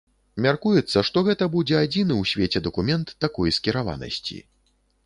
Мяркуецца, што гэта будзе адзіны ў свеце дакумент такой скіраванасці.